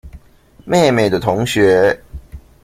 妹妹的同學